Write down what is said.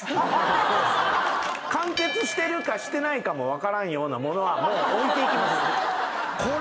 完結してるかしてないかも分からんようなものはもう置いていきます。